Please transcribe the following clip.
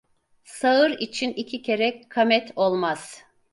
Sağır için iki kere kamet olmaz.